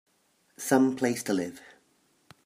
Some place to live!